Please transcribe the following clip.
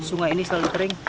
sungai ini selalu kering